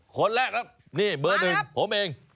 คนแรกแล้วนี่เบอร์หนึ่งผมเอง